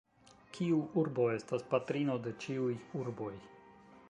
Kiu urbo estas patrino de ĉiuj urboj?